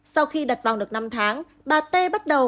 sau khi đặt vòng được năm tháng bà tê bắt đầu